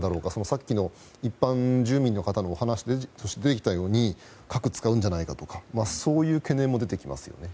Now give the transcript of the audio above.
さっきの一般住民の方のお話で出てきたように核を使うんじゃないかとかそういう懸念が出てきますよね。